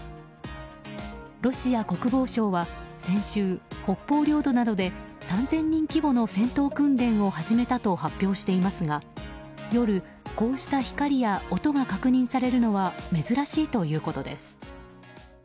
ロシア国防省は先週北方領土などで３０００人規模の戦闘訓練を始めたと発表していますが夜、こうした光や音が確認されるのは珍しいということです。